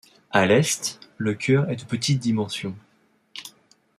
À l'Est le chœur est de petite dimension.